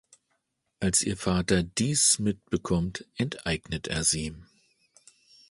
Als ihr Vater dies mitbekommt, enteignet er sie.